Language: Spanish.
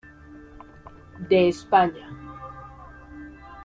De España.